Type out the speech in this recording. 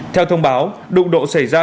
theo thông báo đụng độ xảy ra